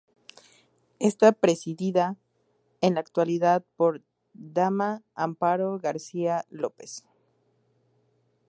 Está presidida en la actualidad por Dª Mª Amparo García López.